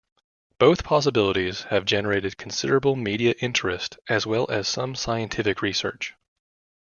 Both possibilities have generated considerable media interest, as well as some scientific research.